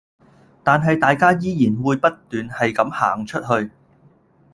但係大家依然會不斷係咁行出去